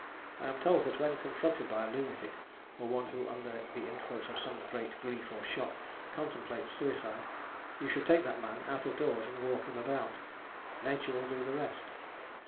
I am told that when confronted by a lunatic or one who under the influence of some great grief or shock contemplates suicide, you should take that man out of doors and walk him about: Nature will do the rest.